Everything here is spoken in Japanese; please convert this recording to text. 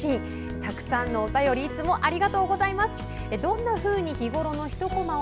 たくさんのお便り、いつもありがとうございます。